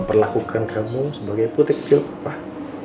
memperlakukan kamu sebagai putik jopah